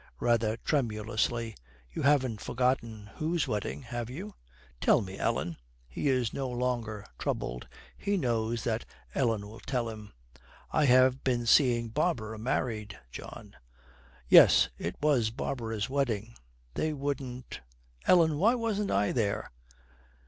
Rather tremulously, 'You haven't forgotten whose wedding, have you?' 'Tell me, Ellen.' He is no longer troubled. He knows that Ellen will tell him. 'I have been seeing Barbara married, John.' 'Yes, it was Barbara's wedding. They wouldn't Ellen, why wasn't I there?'